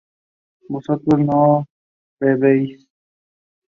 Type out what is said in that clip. Fourteen contestants are chosen from the outside world.